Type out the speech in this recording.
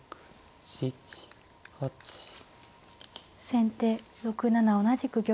先手６七同じく玉。